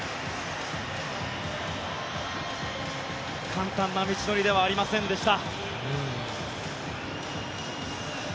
簡単な道のりではありませんでした。